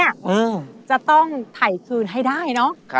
จะต้องถ่ายคืนให้ได้เนอะ